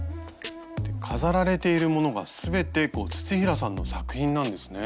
飾られているものが全て土平さんの作品なんですね。